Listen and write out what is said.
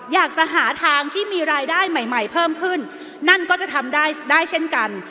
อยากจะหาทางที่มีรายได้ใหม่ใหม่เพิ่มขึ้นนั่นก็จะทำได้ได้เช่นกัน